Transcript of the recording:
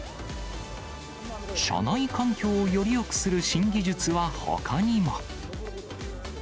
車内環境をよりよくする新技術はほかにも。